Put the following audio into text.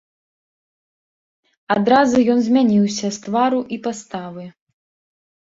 Адразу ён змяніўся з твару і паставы.